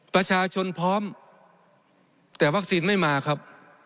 ประชาชนพร้อมแต่วัคซีนไม่มาครับ